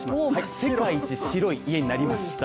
世界一白い家になりました。